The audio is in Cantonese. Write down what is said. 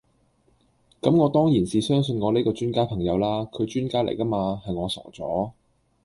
咁我當然是相信我呢個專家朋友啦，佢專家黎架嗎，係我傻左